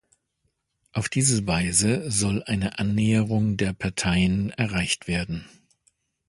Auf diese Weise soll eine Annäherung der Parteien erreicht werden.